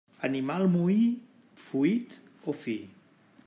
Animal moí, fuit o fi.